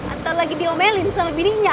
atau lagi diomelin sama dirinya